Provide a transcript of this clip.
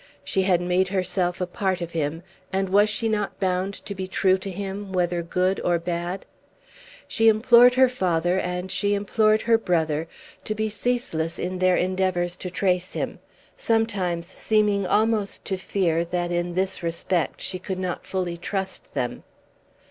She had made herself a part of him, and was she not bound to be true to him, whether good or bad? She implored her father and she implored her brother to be ceaseless in their endeavours to trace him, sometimes seeming almost to fear that in this respect she could not fully trust them.